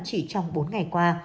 chỉ trong bốn ngày qua